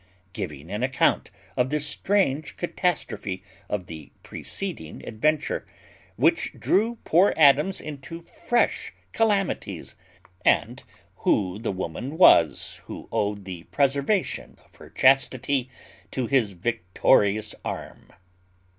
_Giving an account of the strange catastrophe of the preceding adventure, which drew poor Adams into fresh calamities; and who the woman was who owed the preservation of her chastity to his victorious arm.